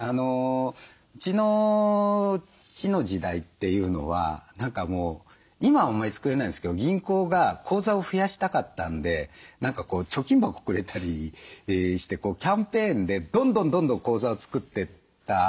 うちの父の時代っていうのは何かもう今はあんまり作れないんですけど銀行が口座を増やしたかったんで何か貯金箱くれたりしてキャンペーンでどんどんどんどん口座を作ってった時代なんですね。